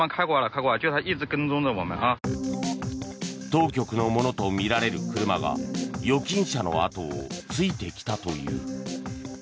当局のものとみられる車が預金者の後をついてきたという。